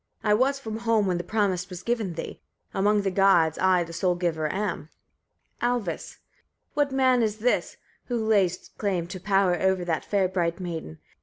I was from home when the promise was given thee. Among the gods I the sole giver am. Alvis. 5. What man is this, who lays claim to power over that fair, bright maiden?